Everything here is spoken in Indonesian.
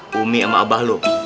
kayaknya sama abah lu